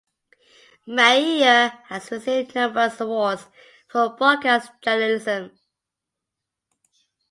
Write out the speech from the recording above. Meier has received numerous awards for broadcast journalism.